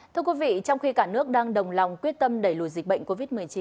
thưa quý vị trong khi cả nước đang đồng lòng quyết tâm đẩy lùi dịch bệnh covid một mươi chín